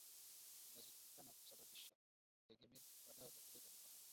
zinazojulikana kusababisha utegemezi wa dawa za kulevya ni pamoja